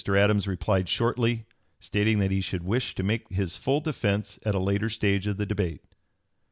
Adams replied shortly, stating that he should wish to make his full defence at a later stage of the debate.